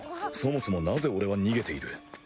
そもそもなぜ俺は逃げている？